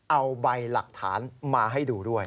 เอาใบหลักฐานมาให้ดูด้วย